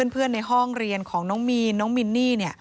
ในห้องเรียนของน้องมีนน้องมินนี่